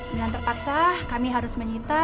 dengan terpaksa kami harus menyita